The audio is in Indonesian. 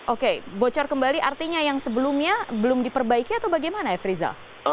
oke bocor kembali artinya yang sebelumnya belum diperbaiki atau bagaimana f rizal